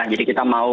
jadi kita mahu